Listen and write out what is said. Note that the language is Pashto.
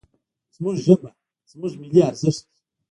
زموږ ژبه، زموږ ملي ارزښت دی.